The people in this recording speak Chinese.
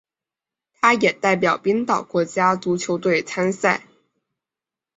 他也代表冰岛国家足球队参赛。